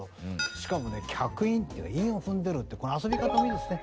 しかもね脚韻って韻を踏んでるっていうこの遊び方もいいですね。